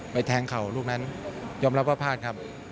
แทงเข่าลูกนั้นยอมรับว่าพลาดครับ